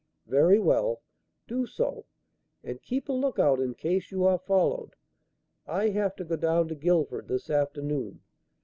"Very well. Do so; and keep a look out in case you are followed. I have to go down to Guildford this afternoon.